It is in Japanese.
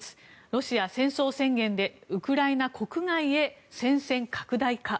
ロシア戦争宣言でウクライナ国外へ戦線拡大か。